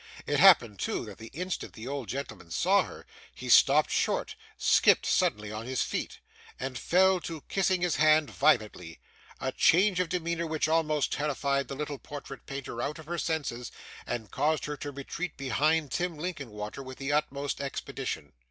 It happened, too, that the instant the old gentleman saw her, he stopped short, skipped suddenly on his feet, and fell to kissing his hand violently: a change of demeanour which almost terrified the little portrait painter out of her senses, and caused her to retreat behind Tim Linkinwater with the utmost expedition.